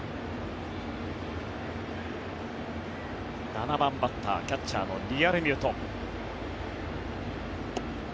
７番バッターキャッチャーのリアルミュート。